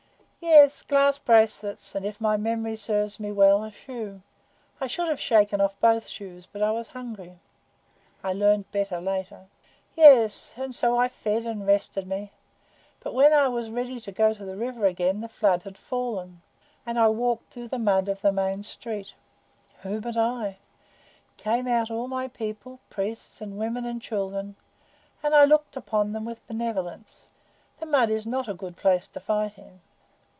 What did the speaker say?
Yes, glass bracelets; and, if my memory serves me well, a shoe. I should have shaken off both shoes, but I was hungry. I learned better later. Yes. And so I fed and rested me; but when I was ready to go to the river again the flood had fallen, and I walked through the mud of the main street. Who but I? Came out all my people, priests and women and children, and I looked upon them with benevolence. The mud is not a good place to fight in.